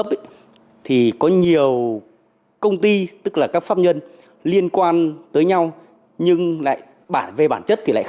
mà chỉ theo phương cá nhân đ vest nó phải là sát bay